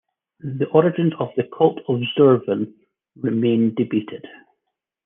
The origins of the cult of Zurvan remain debated.